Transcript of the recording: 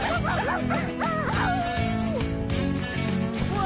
うわ！